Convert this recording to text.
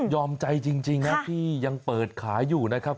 ใจจริงนะที่ยังเปิดขายอยู่นะครับ